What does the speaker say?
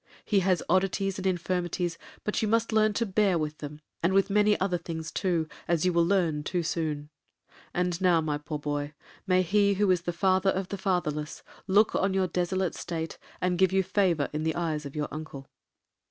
He has oddities and infirmities, but you must learn to bear with them, and with many other things too, as you will learn too soon. And now, my poor boy, may He who is the father of the fatherless look on your desolate state, and give you favour in the eyes of your uncle.'